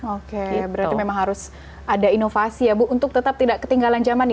oke berarti memang harus ada inovasi ya bu untuk tetap tidak ketinggalan zaman ya